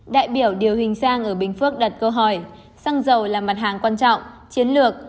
đại biểu điều hình sang ở bình phước đặt câu hỏi xăng dầu là mặt hàng quan trọng chiến lược